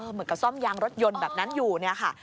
เหมือนกับซ่อมยางรถยนต์แบบนั้นอยู่เนี่ยค่ะ